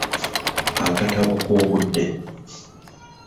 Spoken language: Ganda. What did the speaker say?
Akatabo k'obudde.